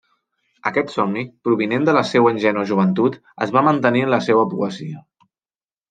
Aquest somni, provinent de la seua ingènua joventut, es va mantenir en la seua poesia.